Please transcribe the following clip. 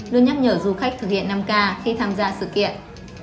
luôn nhắc nhở du khách thực hiện năm k khi tham gia sự kiện